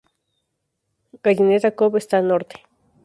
Gallineta Cove está al norte.